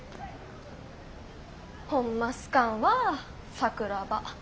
ホンマ好かんわ桜庭。